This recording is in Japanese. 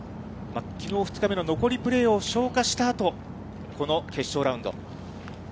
きのう２日目の残りプレーを消化したあと、この決勝ラウンド。